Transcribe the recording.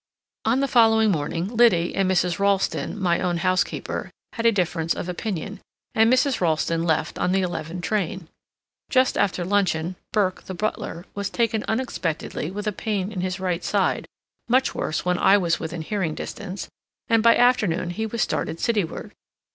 On the following morning Liddy and Mrs. Ralston, my own housekeeper, had a difference of opinion, and Mrs. Ralston left on the eleven train. Just after luncheon, Burke, the butler, was taken unexpectedly with a pain in his right side, much worse when I was within hearing distance, and by afternoon he was started cityward.